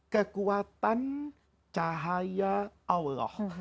kekuatan cahaya allah